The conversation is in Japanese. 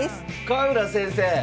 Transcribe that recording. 深浦先生！